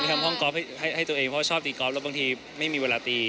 ทำห้องกอล์ฟให้ตัวเองเพราะชอบตีกอล์แล้วบางทีไม่มีเวลาตี